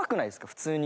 普通に。